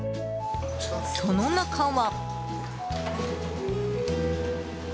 その中は。